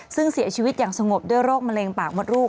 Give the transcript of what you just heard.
ซึ่งเสียชีวิตอย่างสงบด้วยโรคมะเร็งปากมดลูก